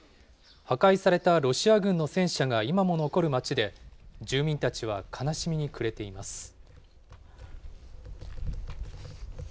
破壊されたロシア軍の戦車が今も残る町で、住民たちは悲しみに暮れています。